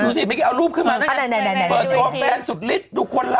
สวัสดีค่ะข้าวใส่ไข่สดใหม่เยอะสวัสดีค่ะ